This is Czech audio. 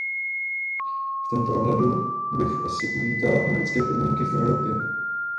V tomto ohledu bych asi uvítala americké podmínky v Evropě.